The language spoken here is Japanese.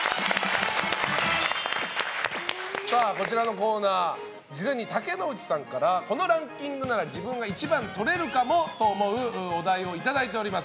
こちらのコーナー事前に竹野内さんからこのランキングなら自分が１番とれるかもと思うお題をいただいております。